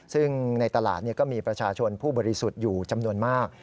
ซึ่งในตลาดก็มีประชาชนผู้บริสุทธิ์อยู่จำนวนมาก